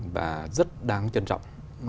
và rất đáng trân trọng